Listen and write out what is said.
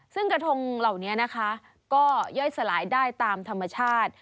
ซึ่งกระทงเหล่านี้นะคะก็ย่อยสลายได้ตามธรรมชาติ